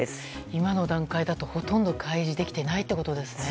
今の段階だとほとんど開示できていないということですね。